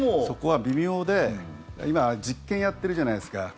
そこは微妙で今、実験をやってるじゃないですか。